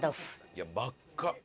いや真っ赤！